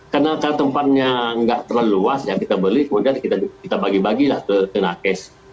karena tempatnya nggak terlalu luas yang kita beli kemudian kita bagi bagilah ke nakis